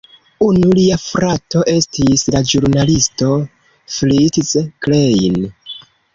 Unu lia frato estis la ĵurnalisto Fritz Klein.